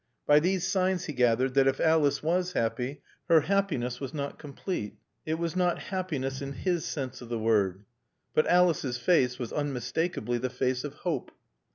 By these signs he gathered that if Alice was happy her happiness was not complete. It was not happiness in his sense of the word. But Alice's face was unmistakably the face of hope.